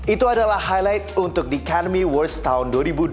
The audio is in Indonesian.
itu adalah highlight untuk the academy awards tahun dua ribu dua puluh empat